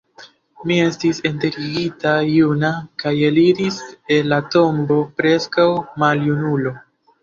Mi estis enterigita juna kaj eliris el la tombo preskaŭ maljunulo.